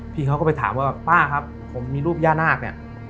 พี่เขาก็ไปถามว่าป้าครับผมมีรูปย่านาคเนี่ย